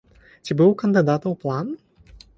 Ці быў у кандыдатаў план?